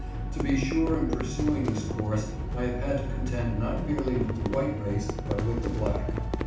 To be sure in pursuing this course I have had to contend not merely with the white race, but with the black.